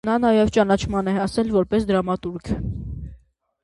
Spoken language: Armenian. Նա նաև ճանաչման է հասել որպես դրամատուրգ։